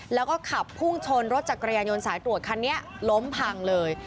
แล้วก็ขับพุ่งชนรถจักรยานยนต์สายตรวจคันนี้ล้มพังเลย